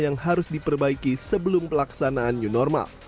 yang harus diperbaiki sebelum pelaksanaan new normal